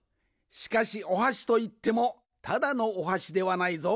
しかしおはしといってもただのおはしではないぞ。